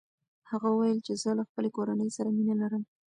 هغه وویل چې زه له خپلې کورنۍ سره مینه لرم.